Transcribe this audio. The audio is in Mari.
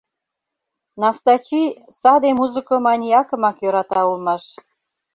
Настачи саде музыко-маниакымак йӧрата улмаш...